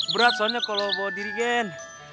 berat soalnya kalau bawa dirigen